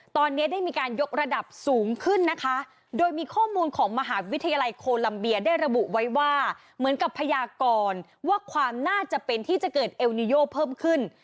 ตอนนี้ได้มีการยกระดับสูงขึ้นนะคะโดยมีข้อมูลของมหาวิทยาลัยโคลัมเบียได้ระบุไว้ว่าเหมือนกับพยากรว่าความน่าจะเป็นที่จะเกิดเอลนิโยเพิ่มขึ้น